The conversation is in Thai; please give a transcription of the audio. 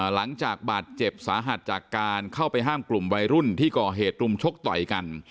หลังจากบาดเจ็บสาหัสจากการเข้าไปห้ามกลุ่มวัยรุ่นที่ก่อเหตุรุมชกต่อยกัน